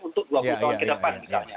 untuk dua puluh tahun ke depan misalnya